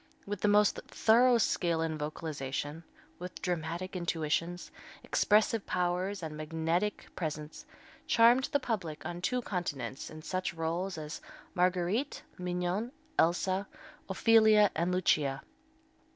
with the most thorough skill in vocalization, with dramatic intuitions, expressive powers and magnetic presence, charmed the public on two continents in such rôles as Marguerite, Mignon, Elsa, Ophelia and Lucia.